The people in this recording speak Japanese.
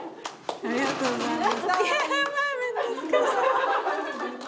「ありがとうございます」。